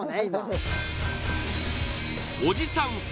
今おじさん